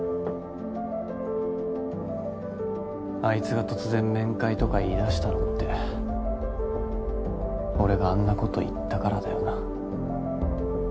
あいつが突然面会とか言い出したのって俺があんなこと言ったからだよな。